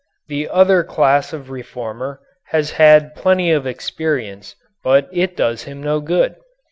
The other class of reformer has had plenty of experience but it does him no good.